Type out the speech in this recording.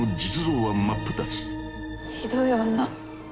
ひどい女。